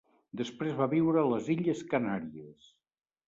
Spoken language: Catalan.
Després va viure a les illes Canàries.